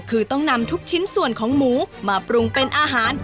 คือต้องนำทุกชิ้นส่วนของหมูมาปรุงเป็นอาหาร